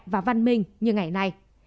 và văn minh như ngày nay